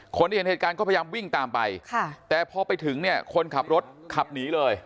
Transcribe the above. เห็นเหตุการณ์ก็พยายามวิ่งตามไปค่ะแต่พอไปถึงเนี่ยคนขับรถขับหนีเลย